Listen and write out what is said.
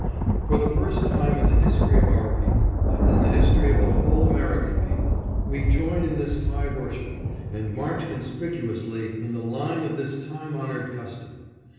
For the first time in the history of our people, and in the history of the whole American people, we join in this high worship, and march conspicuously in the line of this time honored custom.